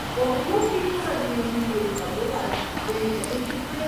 Antes de ser militar, fue agricultor y trabajador textil.